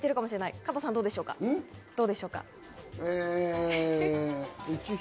加藤さん、どうでしょう？